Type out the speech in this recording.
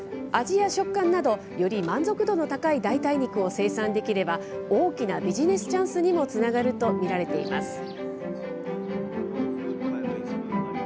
味や食感などより満足度の高い代替肉を生産できれば大きなビジネスチャンスにもつながると見られています。